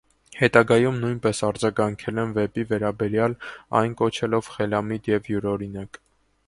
Հետագայում նույնպես արձագանքել են վեպի վերաբերյալ՝ այն կոչելով խելամիտ և յուրօրինակ։